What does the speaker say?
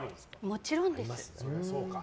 もちろんです。